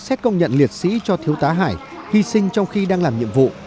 xét công nhận liệt sĩ cho thiếu tá hải hy sinh trong khi đang làm nhiệm vụ